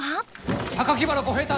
原小平太